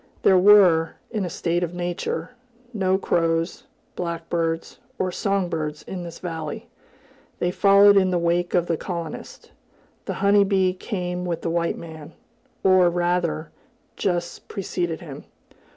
There were, in a state of nature, no crows, blackbirds, or song birds in this valley; they followed in the wake of the colonist. The honey bee came with the white man, or rather, just preceded him.